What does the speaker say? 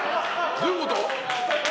どういうこと？